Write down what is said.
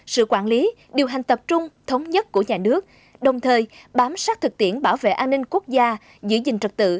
sự quản lý điều hành tập trung thống nhất của nhà nước đồng thời bám sát thực tiễn bảo vệ an ninh quốc gia giữ gìn trật tự